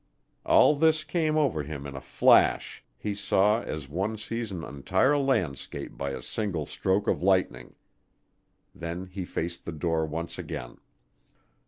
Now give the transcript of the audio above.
All this came over him in a flash he saw as one sees an entire landscape by a single stroke of lightning. Then he faced the door once again.